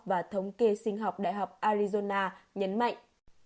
và thống kê sinh học đại học arizona nhấn mạnh